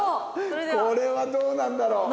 これはどうなんだろう？